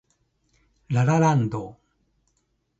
ラ・ラ・ランド